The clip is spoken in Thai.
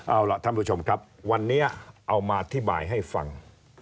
เอาล่ะท่านผู้ชมครับวันนี้เอามาอธิบายให้ฟัง